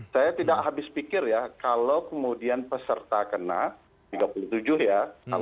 saya tidak habis pikir ya kalau kemudian peserta kena tiga puluh tujuh ya